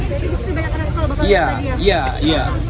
jadi itu banyak anak sekolah bapak bapak tadi ya